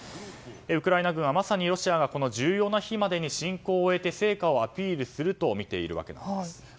ウクライナ軍はまさにロシアがこの重要な日までに侵攻を終えて成果をアピールすると見ているんです。